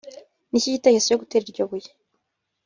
Niki gitekerezo cyo gutera iryo buye